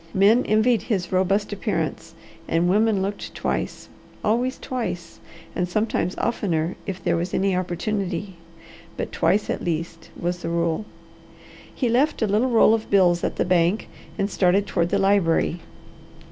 Men envied his robust appearance and women looked twice, always twice, and sometimes oftener if there was any opportunity; but twice at least was the rule. He left a little roll of bills at the bank and started toward the library.